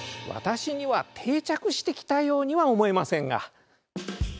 私には定着してきたようには思えませんが。